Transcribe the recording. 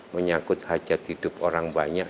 menyangkut hajat hidup orang banyak